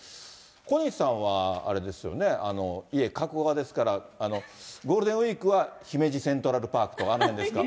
小西さんはあれですよね、家、加古川ですから、ゴールデンウィークは姫路セントラルパークとかあの辺ですか。